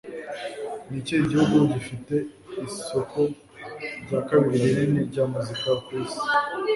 Nikihe gihugu gifite isoko rya kabiri rinini rya muzika kwisi